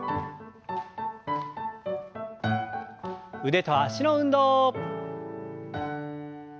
腕と脚の運動。